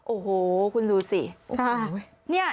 โอ้โหคุณดูสิโอ้โห